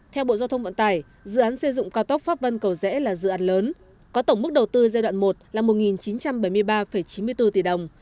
theo bộ giao thông vận tải dự án xây dựng cao tốc pháp vân cầu rẽ là dự án lớn có tổng mức đầu tư giai đoạn một là một chín trăm bảy mươi ba chín mươi bốn tỷ đồng